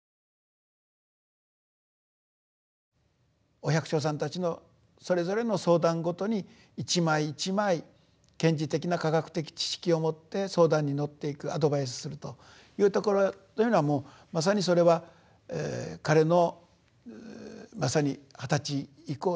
お百姓さんたちのそれぞれの相談ごとに一枚一枚賢治的な科学的知識をもって相談に乗っていくアドバイスするというところというのはもうまさにそれは彼のまさに二十歳以降ですね